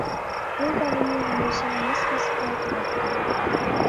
بۇ بالىنى ھەمىشە نەس بېسىپلا تۇراتتى.